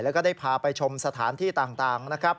แล้วก็ได้พาไปชมสถานที่ต่างนะครับ